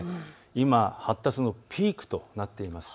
今、発達のピークとなっています。